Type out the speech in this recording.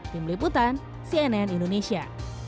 tim liputan cnn indonesia